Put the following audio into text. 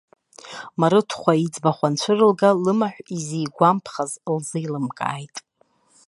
Марыҭхәа иӡбахә анцәырылга, лымаҳә изигәамԥхаз лзеилымкааит.